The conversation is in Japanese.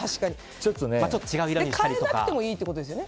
換えなくてもいいってことですよね。